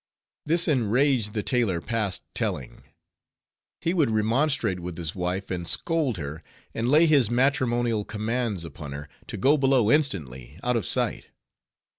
This enraged the tailor past telling; he would remonstrate with his wife, and scold her; and lay his matrimonial commands upon her, to go below instantly, out of sight.